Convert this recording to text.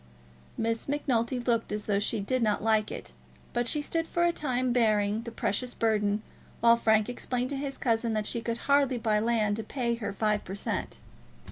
Miss Macnulty looked as though she did not like it, but she stood for a time bearing the precious burthen, while Frank explained to his cousin that she could hardly buy land to pay her five per cent.